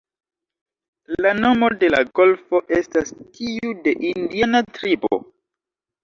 La nomo de la golfo estas tiu de indiana tribo.